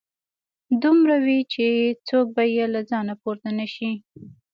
دومره وي چې څوک به يې له ځايه پورته نشي